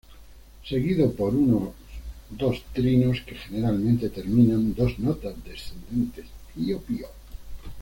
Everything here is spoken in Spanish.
Seguido por uno dos trinos que generalmente terminan dos nota descendentes.